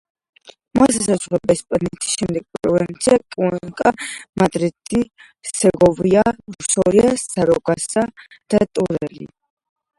მას ესაზღვრება ესპანეთის შემდეგი პროვინციები: კუენკა, მადრიდი, სეგოვია, სორია, სარაგოსა და ტერუელი.